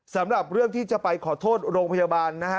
สำหรับเรื่องที่จะไปขอโทษโรงพยาบาลนะฮะ